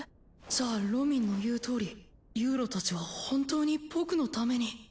じゃあロミンの言うとおりユウロたちは本当に僕のために